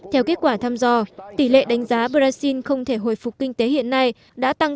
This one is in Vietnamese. theo kết quả thăm dò tỷ lệ đánh giá brazil không thể hồi phục kinh tế hiện nay đã tăng